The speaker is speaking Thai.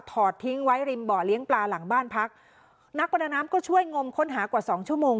ทิ้งไว้ริมบ่อเลี้ยงปลาหลังบ้านพักนักประดาน้ำก็ช่วยงมค้นหากว่าสองชั่วโมง